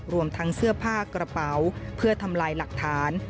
รวมทั้งเสื้อผ้ากระเป๋าเพื่อทำลายหลักฐาน